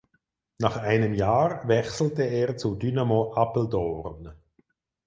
Nach einem Jahr wechselte er zu Dynamo Apeldoorn.